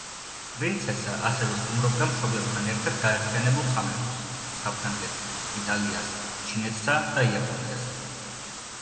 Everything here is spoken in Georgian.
პრინცესა ასევე სტუმრობდა მშობლებთან ერთად გაერთიანებულ სამეფოს, საფრანგეთს, იტალიას, ჩინეთსა და იაპონიას.